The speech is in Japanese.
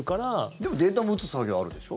でもデータも打つ作業あるでしょ？